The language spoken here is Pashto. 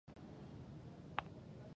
چنګلونه د افغانستان د اقتصاد برخه ده.